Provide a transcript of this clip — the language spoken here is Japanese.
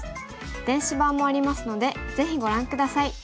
電子版もありますのでぜひご覧下さい。